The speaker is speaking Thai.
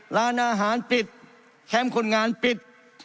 ร้านอาหารปิดแคมป์คนงานปิด